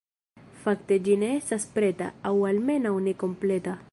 Fakte ĝi ne estas preta, aŭ almenaŭ ne kompleta.